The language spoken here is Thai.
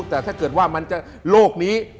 แต่ถ้าเกิดว่ามันจะโลกนี้